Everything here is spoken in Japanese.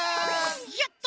やった！